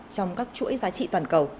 trong các chuỗi giá trị toàn cầu